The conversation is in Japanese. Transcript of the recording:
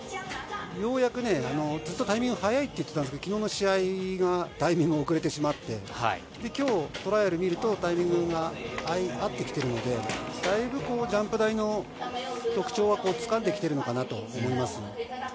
ようやくね、ずっとタイミングが早いって言ってたんですけど、昨日の試合がだいぶ遅れてしまって、今日トライアルを見ると、タイミングが合ってきているので、だいぶジャンプ台の特徴はつかんできているのかなと思います。